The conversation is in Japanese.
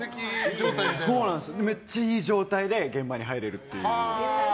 めっちゃいい状態で現場には入れるっていう。